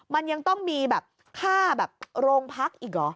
มันยังต้องมีแบบฆ่าแบบโรงพักอีกเหรอ